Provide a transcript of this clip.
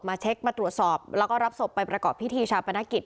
เช็คมาตรวจสอบแล้วก็รับศพไปประกอบพิธีชาปนกิจ